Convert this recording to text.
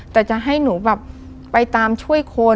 แต่จะให้หนูแบบไปตามช่วยคน